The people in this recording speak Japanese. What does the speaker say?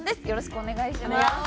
よろしくお願いします。